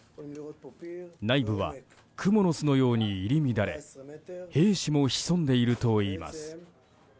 内部はクモの巣のように入り乱れ兵士も潜んでいるといいます。